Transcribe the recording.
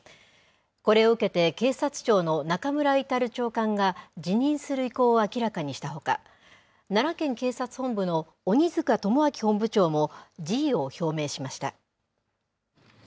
これを受けて、警察庁の中村格長官が辞任する意向を明らかにしたほか、奈良県警察本部の鬼塚友章本部長も辞意を表明しました。